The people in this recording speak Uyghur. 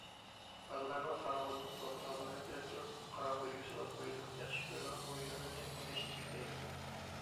بالىلارنىڭ قاراڭغۇدىن قورقىدىغانلىقىنى بىلىپ تۇرۇپ، قاراڭغۇ ئۆيگە سولاپ قويىدۇ، ياخشى كۆرىدىغان ئويۇنىنى ئويناشتىن چەكلەيدۇ.